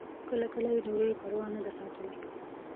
کله کله یې د روي پروا نه ده ساتلې.